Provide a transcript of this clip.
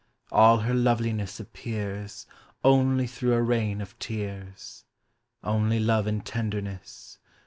All her loveliness appears Only through a rain of tears. Only love and tenderness.